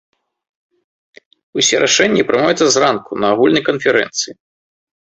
Усе рашэнні прымаюцца зранку на агульнай канферэнцыі.